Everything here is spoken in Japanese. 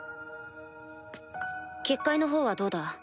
結界のほうはどうだ？